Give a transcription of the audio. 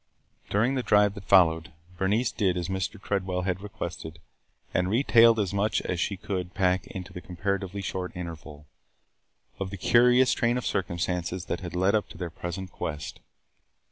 During the drive that followed, Bernice did as Mr. Tredwell had requested and retailed as much as she could pack into the comparatively short interval, of the curious train of circumstances that had led up to their present quest.